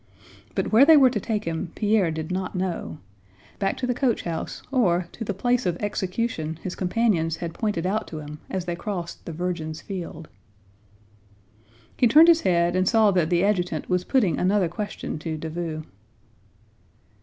But where they were to take him Pierre did not know: back to the coach house or to the place of execution his companions had pointed out to him as they crossed the Virgin's Field. He turned his head and saw that the adjutant was putting another question to Davout.